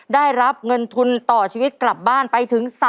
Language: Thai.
ได้รับเงินทุนต่อชีวิตกลับบ้านไปถึง